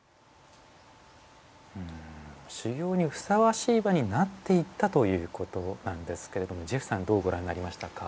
修行にふさわしい場になっていったということなんですけれどもジェフさんどうご覧になりましたか？